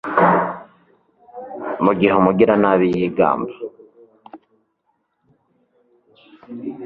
mu gihe umugiranabi yigamba